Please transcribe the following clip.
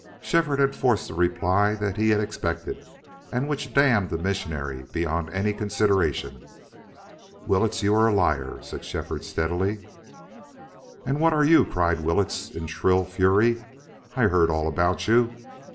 Shefford had forced the reply that he had expected and which damned the missionary beyond any consideration. "Willetts, you are a liar!" said Shefford, steadily. "And what are you?" cried Willetts, in shrill fury. "I've heard all about you.